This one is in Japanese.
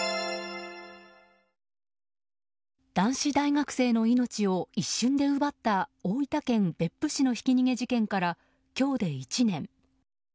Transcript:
男子大学生の命を一瞬で奪った大分県別府市のひき逃げ事件から今日で１年。